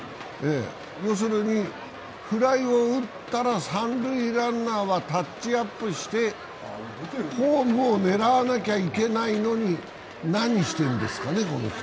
要するにフライを打ったら三塁ランナーはタッチアップしてホームを狙わなきゃいけないのに何してんですかね、この人。